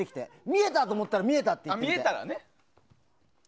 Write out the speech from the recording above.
見えたと思ったら見えたって言ってね。